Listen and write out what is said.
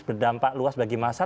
berdampak luas bagi masyarakat